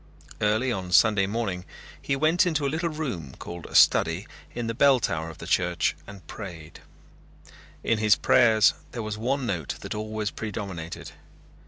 Early on Sunday morning he went into a little room called a study in the bell tower of the church and prayed. In his prayers there was one note that always predominated.